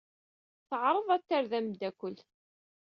Teɛreḍ ad t-terr d ameddakel.